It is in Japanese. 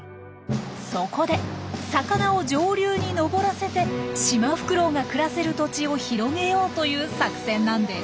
そこで魚を上流に上らせてシマフクロウが暮らせる土地を広げようという作戦なんです。